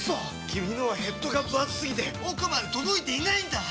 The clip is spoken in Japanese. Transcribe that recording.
君のはヘッドがぶ厚すぎて奥まで届いていないんだっ！